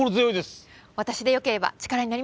私でよければ力になります。